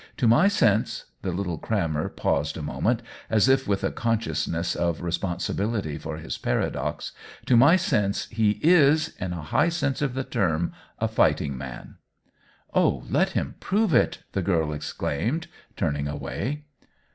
" To my sense" — the little crammer paused a moment, as if with a consciousness of re sponsibility for his paradox —" to my sense he is, in a high sense of the term, a fighting man." "Ah, let him prove it!" the girl ex claimed, turning away.